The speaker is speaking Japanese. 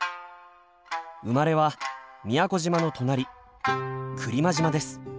生まれは宮古島の隣来間島です。